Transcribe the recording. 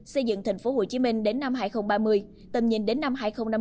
xây dựng tp hcm đến năm hai nghìn ba mươi tầm nhìn đến năm hai nghìn năm mươi